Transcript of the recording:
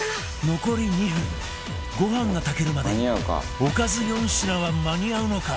残り２分ご飯が炊けるまでにおかず４品は間に合うのか？